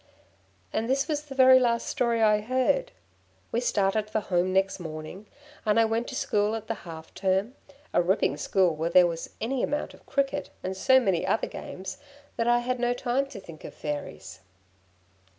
'"And this was the very last story I heard. We started for home next morning, and I went to school at the half term a ripping school where there was any amount of cricket, and so many other games that I had no time to think of Fairies.